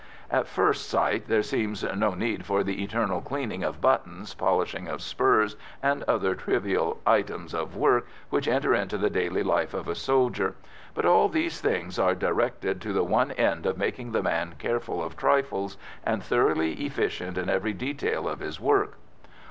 At first sight there seems no need for the eternal cleaning of buttons, polishing of spurs, and other trivial items of work which enter into the daily life of a soldier, but all these things are directed to the one end of making the man careful of trifles and thoroughly efficient in every detail of his work.